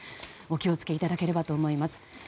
お気を付けいただければと思います。